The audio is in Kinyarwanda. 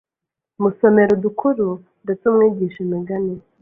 Musomere udukuru ndetse umwigishe imigani